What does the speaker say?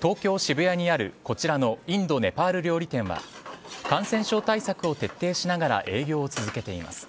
東京・渋谷にある、こちらのインド・ネパール料理店は感染症対策を徹底しながら営業を続けています。